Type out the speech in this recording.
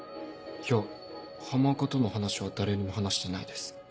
いや浜岡との話は誰にも話してないです。